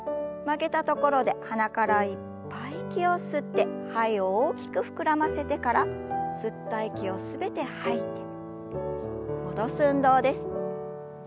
曲げたところで鼻からいっぱい息を吸って肺を大きく膨らませてから吸った息を全て吐いて戻す運動です。